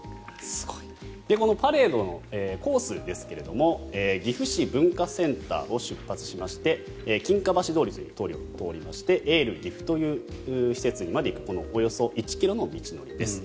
このパレードのコースですが岐阜市文化センターを出発しまして金華橋通りという通りを通りましてエールぎふという施設まで行くおよそ１ｋｍの道のりです。